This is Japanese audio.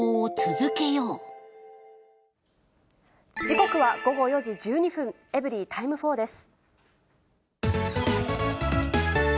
時刻は午後４時１２分、エブリィタイム４です。